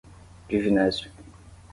Divinésia